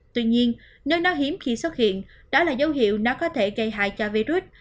tuy nhiên nơi nó hiếm khi xuất hiện đó là dấu hiệu nó có thể gây hại cho virus